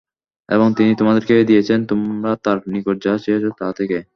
এবং তিনি তোমাদেরকে দিয়েছেন তোমরা তার নিকট যা চেয়েছ তা থেকে।